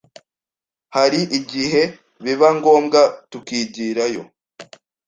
hari igihe biba ngombwa tukigirayo